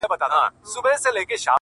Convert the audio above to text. o خپل، خپل، پردى په ډېرو نارو خپل!